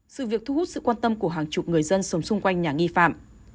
sự việc thu hút sự quan tâm của hàng chục người dân sống xung quanh nhà nghi phạm